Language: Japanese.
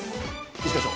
一課長。